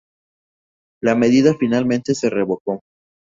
La medida finalmente se revocó.